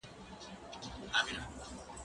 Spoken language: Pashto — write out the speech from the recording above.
زه مخکي ږغ اورېدلی و،